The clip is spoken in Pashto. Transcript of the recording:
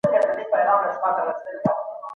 ستونزې د مناسب وخت لپاره حل کړئ.